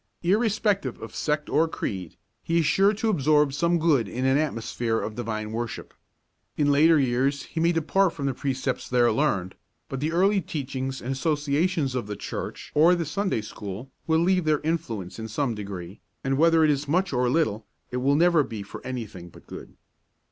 Irrespective of sect or creed, he is sure to absorb some good in an atmosphere of divine worship. In later years he may depart from the precepts there learned, but the early teachings and associations of the church or the Sunday school will leave their influence in some degree, and whether it is much or little, it will never be for anything but good.